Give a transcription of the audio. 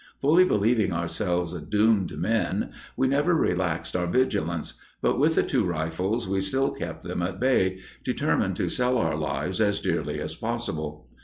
Fully believing ourselves doomed men, we never relaxed our vigilance, but with the two rifles we still kept them at bay, determined to sell our lives as dearly as possible.